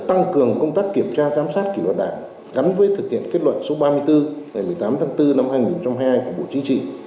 tăng cường công tác kiểm tra giám sát kỷ luật đảng gắn với thực hiện kết luận số ba mươi bốn ngày một mươi tám tháng bốn năm hai nghìn hai mươi hai của bộ chính trị